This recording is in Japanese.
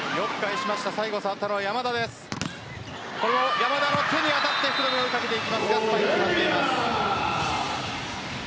山田の手に当たって福留、追いかけていきますがスパイクになっています。